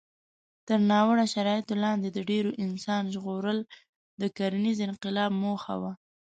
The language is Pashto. تر ناوړه شرایطو لاندې د ډېرو انسان ژغورل د کرنيز انقلاب موخه وه.